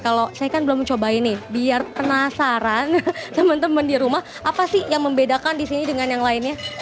kalau saya kan belum cobain nih biar penasaran temen temen di rumah apa sih yang membedakan di sini dengan yang lainnya